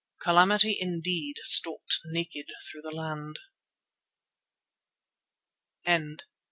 Calamity indeed stalked naked through the land.